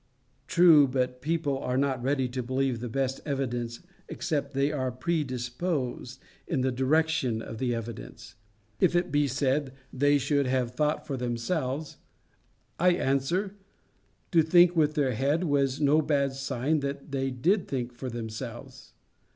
True; but people are not ready to believe the best evidence except they are predisposed in the direction of that evidence. If it be said, "they should have thought for themselves," I answer To think with their head was no bad sign that they did think for themselves.